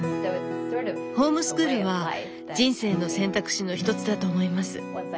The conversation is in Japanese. ホームスクールは人生の選択肢の一つだと思います。